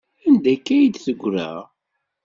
Anda akka ay d-teggra?